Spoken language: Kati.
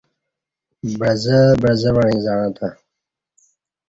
بعزہء بعزہ وعیں زعں تہ